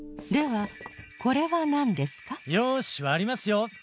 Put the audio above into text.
ではこれはなんですか？よしわりますよ。